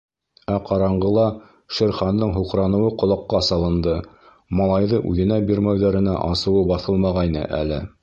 Ә ҡараңғыла Шер Хандың һуҡраныуы ҡолаҡҡа салынды, малайҙы үҙенә бирмәүҙә-ренә асыуы баҫылмағайны әле.